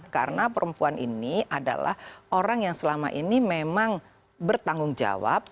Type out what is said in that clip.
karena perempuan ini adalah orang yang selama ini memang bertanggung jawab